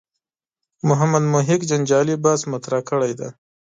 محمد محق جنجالي بحث مطرح کړی دی.